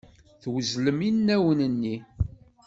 Teswezlem inaw-nni.